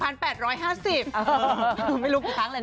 ไม่รู้กี่ครั้งเลยนะ